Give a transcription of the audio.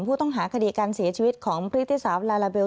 ผู้ต้องหาคดีการเสียชีวิตของพฤติสาวลาลาเบล